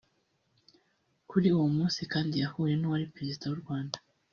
Kuri uwo munsi kandi yahuye n’uwari Perezida w’u Rwanda